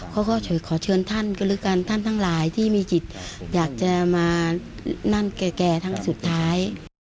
ขอเชิญท่านก็แล้วกันท่านทั้งหลายที่มีจิตอยากจะมานั่นแก่ครั้งสุดท้าย